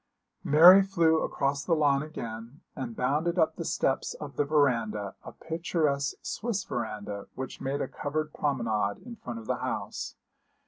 Mary flew across the lawn again, and bounded up the steps of the verandah a picturesque Swiss verandah which made a covered promenade in front of the house.